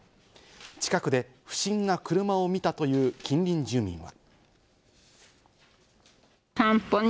近くで不審な車を見たという近隣住民は。